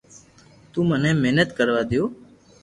تو مني محنت ڪروا ديو